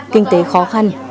kinh tế khó khăn